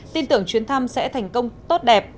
tin tưởng chuyến thăm sẽ thành công tốt đẹp